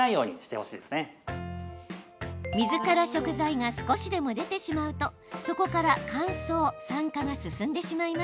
水から食材が少しでも出てしまうとそこから乾燥酸化が進んでしまいます。